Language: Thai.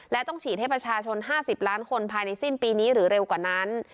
และต้องฉีดให้ประชาชน๕๐ล้านคนภายในสิ้นปีนี้หรือเร็วกว่านั้น